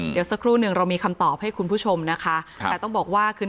เดี๋ยวสักครู่หนึ่งเรามีคำตอบให้คุณผู้ชมนะคะแต่ต้องบอกว่าคือ